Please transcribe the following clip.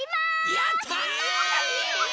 やった！